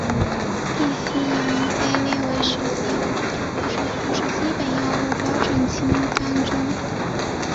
地西泮被列入世界卫生组织基本药物标准清单中。